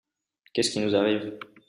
Qu'est ce qui nous arrive ?